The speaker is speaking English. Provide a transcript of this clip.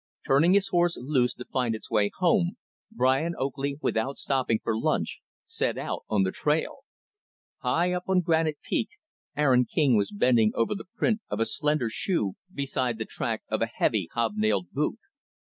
Turning his horse loose to find its way home; Brian Oakley, without stopping for lunch, set out on the trail. High up on Granite Peak, Aaron King was bending over the print of a slender shoe, beside the track of a heavy hob nailed boot.